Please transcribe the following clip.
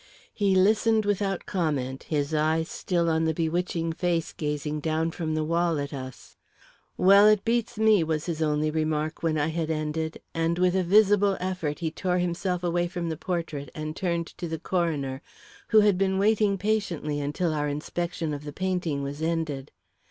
He listened without comment, his eyes still on the bewitching face gazing down from the wall at us. "Well, it beats me," was his only remark, when I had ended, and with a visible effort he tore himself away from the portrait, and turned to the coroner, who had been waiting patiently until our inspection of the painting was ended.